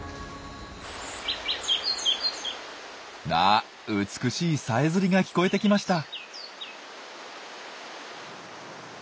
あ美しいさえずりが聞こえてきました。